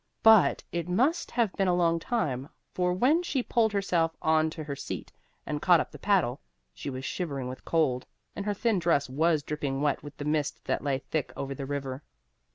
But it must have been a long time, for when she pulled herself on to her seat and caught up the paddle, she was shivering with cold and her thin dress was dripping wet with the mist that lay thick over the river.